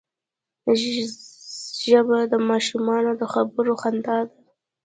ژبه د ماشومانو د خبرو خندا ده